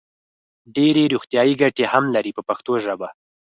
ډېرې روغتیايي ګټې هم لري په پښتو ژبه.